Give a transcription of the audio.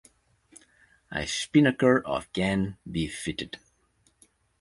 A spinnaker of can be fitted.